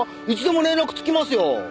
いつでも連絡つきますよ。